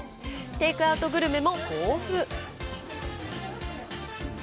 テイクアウトグルメも豊富。